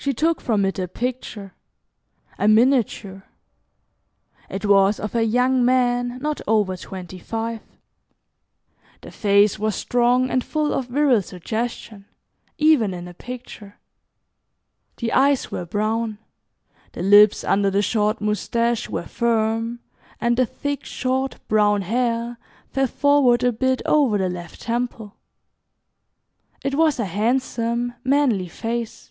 She took from it a picture a miniature. It was of a young man not over twenty five. The face was strong and full of virile suggestion, even in a picture. The eyes were brown, the lips under the short mustache were firm, and the thick, short, brown hair fell forward a bit over the left temple. It was a handsome manly face.